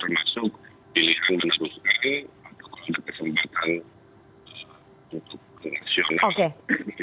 termasuk pilihan meneruskan atau ada kesempatan untuk ke nasional